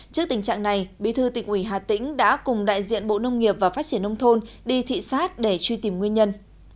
trước tình trạng này bí thư tỉnh ủy hà tĩnh đã cùng đại diện bộ nông nghiệp và phát triển nông thôn đi thị xát để truy tìm nguyên nhân